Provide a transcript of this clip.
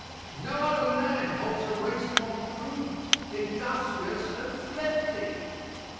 No other land holds a race more prudent, industrious and thrifty!